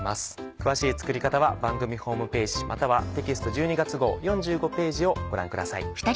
詳しい作り方は番組ホームページまたはテキスト１２月号４５ページをご覧ください。